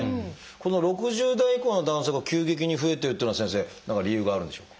この６０代以降の男性が急激に増えてるっていうのは先生何か理由があるんでしょうか？